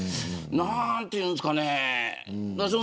何て言うんですかね。